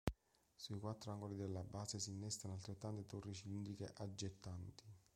Sui quattro angoli della base si innestano altrettante torri cilindriche aggettanti.